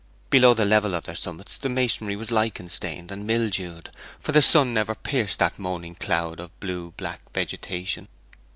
Below the level of their summits the masonry was lichen stained and mildewed, for the sun never pierced that moaning cloud of blue black vegetation.